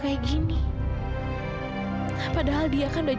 dia yang ini bakal jadi identify from air